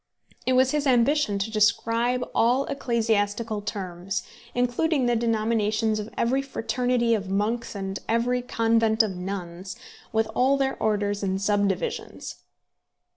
It was his ambition to describe all ecclesiastical terms, including the denominations of every fraternity of monks and every convent of nuns, with all their orders and subdivisions.